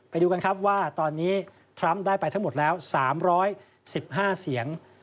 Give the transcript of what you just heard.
ไปดูกันครับว่าตอนนี้ทรัมป์ได้ไปทั้งหมดแล้ว๓๑๕เสียง